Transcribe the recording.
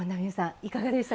いかがでしたか？